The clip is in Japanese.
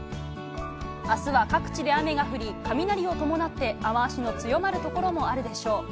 あすは各地で雨が降り、雷を伴って雨足の強まる所もあるでしょう。